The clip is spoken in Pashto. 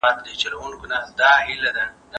د ملکيت حق په شريعت کي ثابت دی.